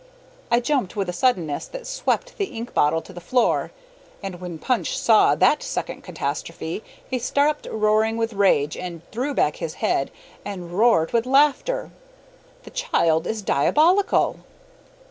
I jumped with a suddenness that swept the ink bottle to the floor, and when Punch saw that second catastrophe, he stopped roaring with rage and threw back his head and roared with laughter. The child is DIABOLICAL.